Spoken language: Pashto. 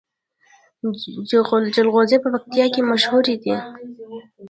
جلغوزي په پکتیا کې مشهور دي